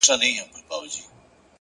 په يويشتم قرن کي داسې محبت کومه-